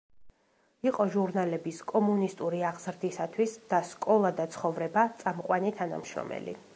იყო ჟურნალების —„კომუნისტური აღზრდისათვის“ და „სკოლა და ცხოვრება“ წამყვანი თანამშრომელი.